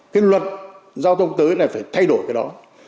cái luật giao thông tới này phải thay đổi cái đó